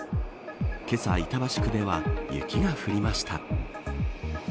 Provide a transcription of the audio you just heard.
けさ、板橋区では雪が降りました。